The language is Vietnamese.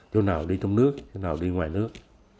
chỗ nào đi trong nước chỗ nào đi ngoài nước